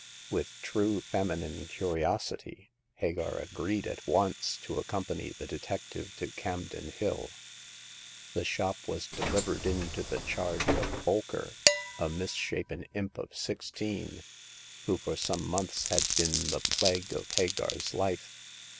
With true feminine curiosity, Hagar agreed at once to accompany the detective to Campden Hill. The shop was delivered into the charge of Bolker, a misshapen imp of sixteen, who for some months had been the plague of Hagar's life.